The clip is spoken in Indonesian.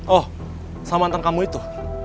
oh sama tentang kamu itu